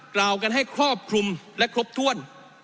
กล่าวกันให้ครอบคลุมและครบถ้วน